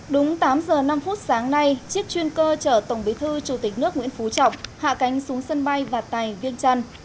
đúng tám giờ năm phút sáng nay chiếc chuyên cơ chở tổng bí thư chủ tịch nước nguyễn phú trọng hạ cánh xuống sân bay và tài viên trần